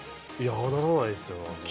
ならないですよ。